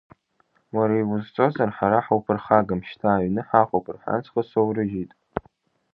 Уара иузҵозар ҳара ҳауԥырхагам шьҭа аҩны ҳаҟоуп рҳәан схы соурыжьит.